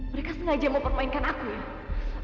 mereka sengaja mau permainkan aku ya